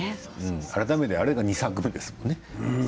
改めてあれが２作目ですもんね